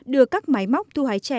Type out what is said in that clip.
đưa các máy móc thu hái trè